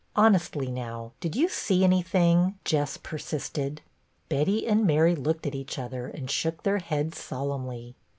" Honestly, now, did you see anything .?" Jess persisted. Betty and Mary looked at each other and shook their heads solemnly.